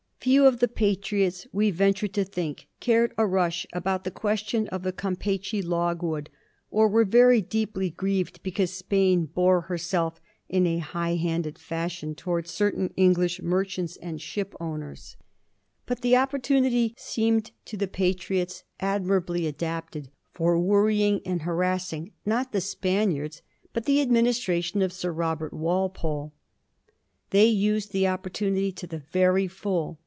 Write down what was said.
Few of the * Patriots,' we venture to think, cared a rush about the question of the Campeachy logwood, or were very deeply grieved because Spain bore herself in a high handed £Ei, shion towards certain English merchants and shipowners. c 2 Digiti zed by Google 388 A HISTORY OF THE FOUR GEORGES. ch. xix. But the opportunity S3emed to the ' Patriots ' ad mirably adapted for worrying and harassing, not the Spaniards, but the administration of Sir Robert Walpole. They used the opportunity to the very full.